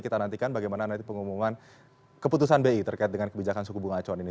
kita nantikan bagaimana nanti pengumuman keputusan bi terkait dengan kebijakan suku bunga acuan ini